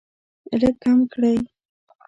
لږ کم کړئ